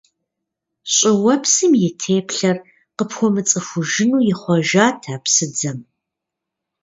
ЩӀыуэпсым и теплъэр къыпхуэмыцӀыхужыну ихъуэжат а псыдзэм.